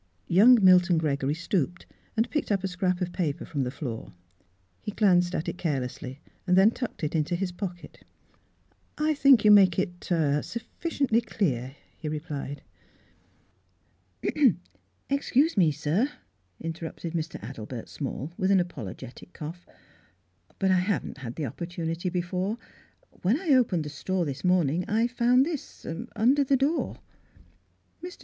Young Milton Gregory stooped and picked up a scrap of paper from the floor. He glanced at it carelessly, then tucked it into his pocket. " I think 3^ou make it — er — suffi ciently clear," he replied. " Excuse me, sir," interrupted Mr. Adelbert Small, with an apologetic cough, " but I haven't had the opportunity be fore. When I opened the store this morn ing I found this — ah — under the door." Mr.